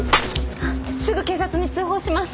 すぐ警察に通報します。